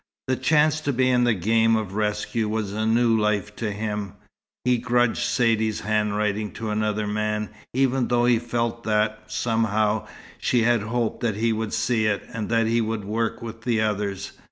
The chance to be in the game of rescue was new life to him. He grudged Saidee's handwriting to another man, even though he felt that, somehow, she had hoped that he would see it, and that he would work with the others.